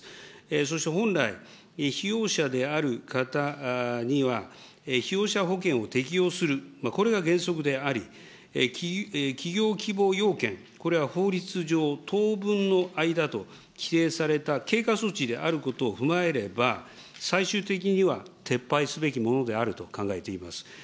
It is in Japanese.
そして本来、被用者である方には、被用者保険を適用する、これが原則であり、企業規模要件、これは法律上、当分の間と規定された経過措置であることを踏まえれば、最終的には撤廃すべきものであると考えています。